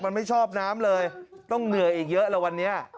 มันไม่ชอบน้ำเลยต้องเหนื่อยอีกเยอะแล้ววันนี้